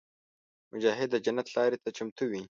مجاهد د جنت لارې ته چمتو وي.